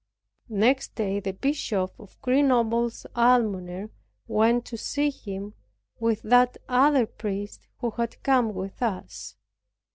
Next day the Bishop of Grenoble's Almoner went to see him, with that other priest who had come with us.